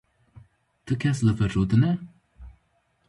Ti kes li vir rûdine?